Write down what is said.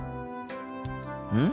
うん？